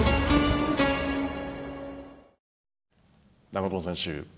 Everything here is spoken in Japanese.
長友選手